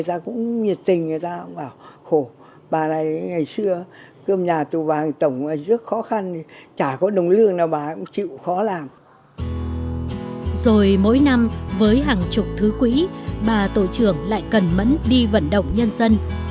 rồi mỗi năm với hàng chục thứ quỹ bà tổ trưởng lại cần mẫn đi vận động nhân dân